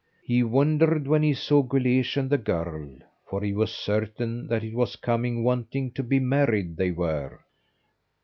He wondered when he saw Guleesh and the girl, for he was certain that it was coming wanting to be married they were.